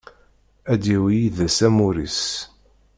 Ad yawi yid-s amur-is.